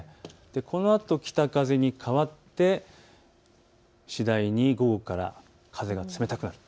このあと北風に変わっって次第に午後から風が冷たくなる。